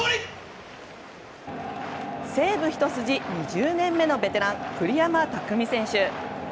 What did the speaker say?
西武一筋２０年目のベテラン栗山巧選手。